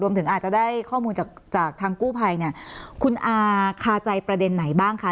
ถึงอาจจะได้ข้อมูลจากจากทางกู้ภัยเนี่ยคุณอาคาใจประเด็นไหนบ้างคะ